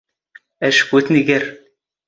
ⴰⵛⴽⵓ ⵜⵏⴳⵔ.